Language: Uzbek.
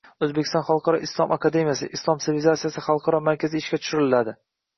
O‘zbekiston xalqaro islom akademiyasi, Islom sivilizatsiyasi xalqaro markazi ishga tushiriladi.